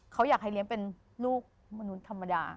เขาอยากให้เลี้ยงเป็นลูกมนุษย์ธรรมดา